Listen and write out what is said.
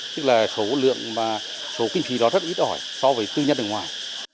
tức là số lượng và số kinh phí đó rất ít ỏi so với tư nhân ở ngoài